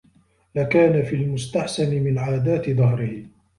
لَكَانَ فِي الْمُسْتَحْسَنِ مِنْ عَادَاتِ دَهْرِهِ